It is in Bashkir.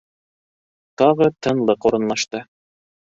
Тағы тынлыҡ урынлашты.